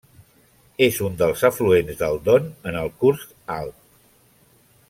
És un dels afluents del Don en el curs alt.